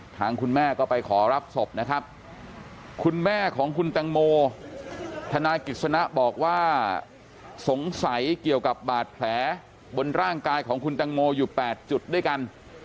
ทางคุณแม่ก็ไปขอรับศพนะครับคุณแม่ของคุณแตงโมธนายกิจสนะบอกว่าสงสัยเกี่ยวกับบาดแผลบนร่างกายของคุณตังโมอยู่๘จุดด้วยกัน